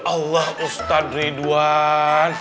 ya allah ustadz ridwan